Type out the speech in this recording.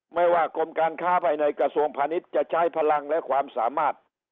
ไม่ว่ากรมการค้าภายในกระทรวงพาณิชย์จะใช้พลังและความสามารถ